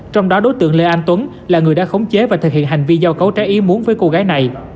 trong đó đối tượng lê anh tuấn là người đã khống chế và thực hiện hành vi giao cấu trái ý muốn với cô gái này